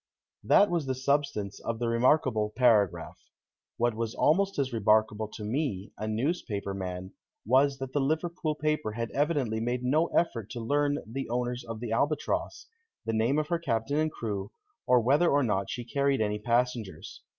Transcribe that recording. That was the substance of the remarkable paragraph. What was almost as remarkable to me, a newspaper man, was that the Liverpool paper had evidently made no effort to learn the owners of the Albatross, the name of her captain and crew, or whether or not she carried any passengers.